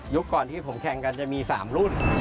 ก่อนที่ผมแข่งกันจะมี๓รุ่น